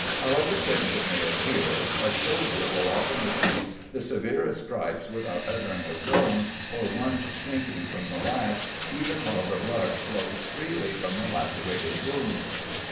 However, strange it may appear, a soldier will often receive the severest stripes without uttering a groan or once shrinking from the lash even while the blood flows freely from the lacerated wounds.